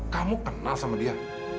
kamu kenal sama dia